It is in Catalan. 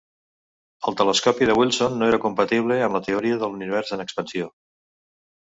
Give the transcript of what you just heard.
El telescopi de Wilson no era compatible amb la teoria de l"univers en expansió.